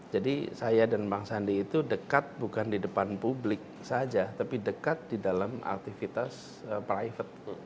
jadi saya dan bang sandi itu dekat bukan di depan publik saja tapi dekat di dalam aktivitas private